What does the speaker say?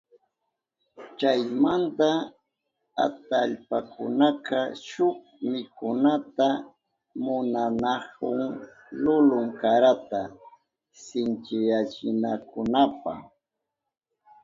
Chaymanta atallpakunaka shuk mikunata munanahun lulun karata sinchiyachinankunapa.